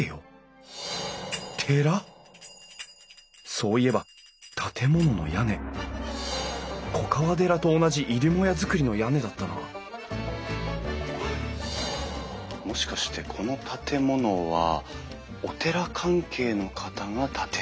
そういえば建物の屋根粉河寺と同じ入り母屋造りの屋根だったなもしかしてこの建物はお寺関係の方が建てられた？